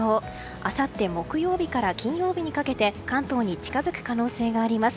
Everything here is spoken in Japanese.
あさって木曜日から金曜日にかけて関東に近づく可能性があります。